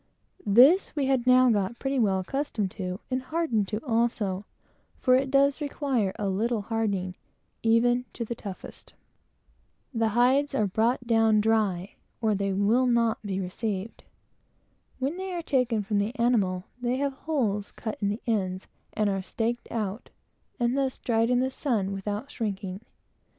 This we had now got pretty well accustomed to; and hardened to also; for it does require a little hardening even to the toughest. The hides are always brought down dry, or they would not be received. When they are taken from the animal, they have holes cut in the ends, and are staked out, and thus dried in the sun without shrinking.